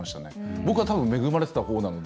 僕はたぶん恵まれていたほうなので。